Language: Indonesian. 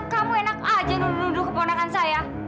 kamu enak aja nuduh keponakan saya